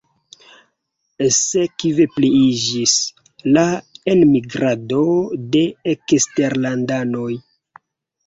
Sekve pliiĝis la enmigrado de eksterlandanoj.